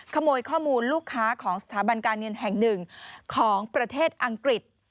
ขโมยข้อมูลลูกค้าของสถาบันการเงินแห่งหนึ่งของประเทศอังกฤษ